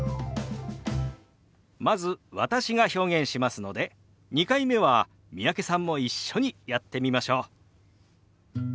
まず私が表現しますので２回目は三宅さんも一緒にやってみましょう。